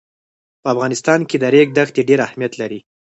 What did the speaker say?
په افغانستان کې د ریګ دښتې ډېر اهمیت لري.